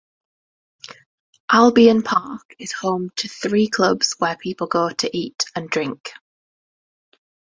Albion Park is home to three clubs where people go to eat and drink.